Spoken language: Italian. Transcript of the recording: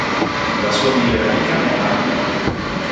La sua migliore amica è Harper.